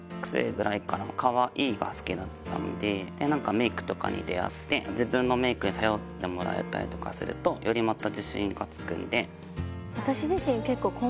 メイクとかに出合って自分のメイクに頼ってもらえたりとかするとよりまた自信がつくんで。